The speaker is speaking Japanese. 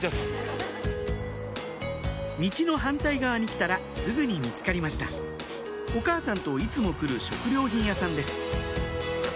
道の反対側に来たらすぐに見つかりましたお母さんといつも来る食料品屋さんです